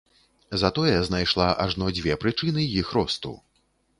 Затое знайшла ажно дзве прычыны іх росту.